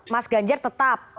mas ganjar tetap